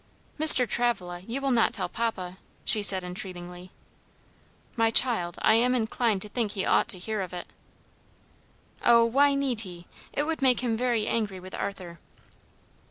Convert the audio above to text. "Mr. Travilla, you will not tell papa?" she said entreatingly. "My child, I am inclined to think he ought to hear of it." "Oh, why need he? It would make him very angry with Arthur."